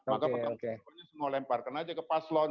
maka pertanggung jawabannya semua lemparkan aja ke paslon